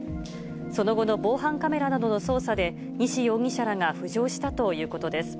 その後の防犯カメラなどの捜査で、西容疑者らが浮上したということです。